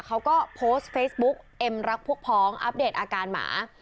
เขาก็โพสต์เฟซบุ๊กเอ็มรักพวกพ้องอัปเดตอาการหมา